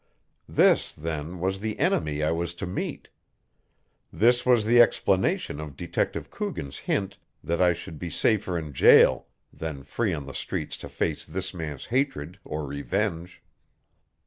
This, then, was the enemy I was to meet! This was the explanation of Detective Coogan's hint that I should be safer in jail than free on the streets to face this man's hatred or revenge.